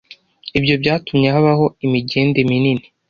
Ibyo byatumye habaho imigende minini